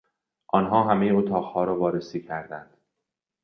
آنها همهی اتاقها را وارسی کردند.